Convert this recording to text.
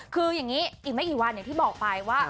คืออย่างนี้อีกไม่กี่วันอย่างที่บอกไปว่า